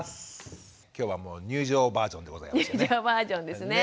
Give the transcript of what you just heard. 今日は入場バージョンでございますね。